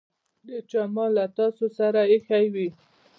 د يو چا مال له تاسې سره ايښی وي.